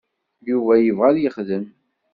Yuba yebɣa ad yexdem.